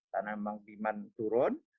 karena memang demand turun